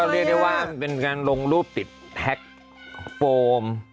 เรียกได้ว่ามันเป็นการลงรูปติดแท็กโฟม